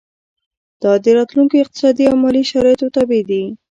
دا د راتلونکو اقتصادي او مالي شرایطو تابع دي.